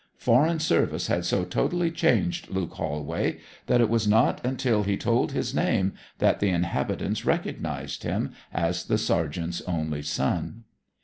Foreign service had so totally changed Luke Holway that it was not until he told his name that the inhabitants recognized him as the sergeant's only son.